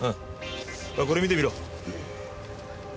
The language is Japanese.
これ見てみろ。